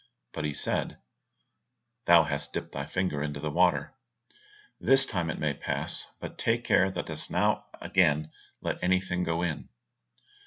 But he said, "Thou hast dipped thy finger into the water, this time it may pass, but take care thou dost not again let anything go in."